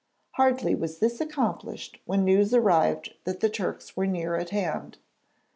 Hardly was this accomplished when news arrived that the Turks were near at hand.